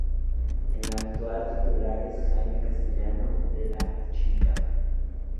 El actual titular es Jaime Castellano de la Chica.